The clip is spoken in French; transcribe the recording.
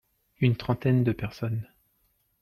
Une trentaine de personnes.